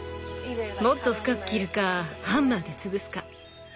もっと深く切るかハンマーで潰すか。